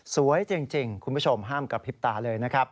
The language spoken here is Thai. สวยจริงคุณผู้ชมห้ามกระพริบตาเลยนะครับ